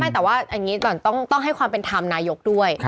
แต่ว่าต้องให้ความเป็นธรรมนายกด้วย